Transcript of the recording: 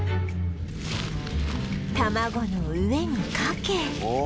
卵の上にかけ